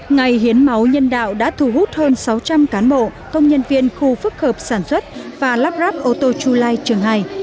ngày hiến máu nhân đạo đã thu hút hơn sáu trăm linh cán bộ công nhân viên khu phức hợp sản xuất và lắp ráp ô tô chu lai trường hai